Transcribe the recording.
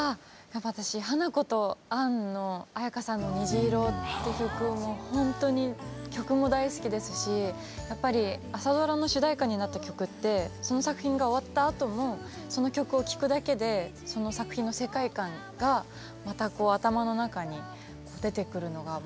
やっぱり私「花子とアン」の絢香さんの「にじいろ」っていう曲も本当に曲も大好きですしやっぱり朝ドラの主題歌になった曲ってその作品が終わったあともその曲を聴くだけでその作品の世界観がまた頭の中に出てくるのがまたいいなと思って。